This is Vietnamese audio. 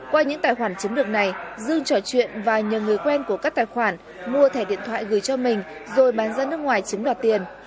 qua những tài khoản chiếm được này dư trò chuyện và nhờ người quen của các tài khoản mua thẻ điện thoại gửi cho mình rồi bán ra nước ngoài chiếm đoạt tiền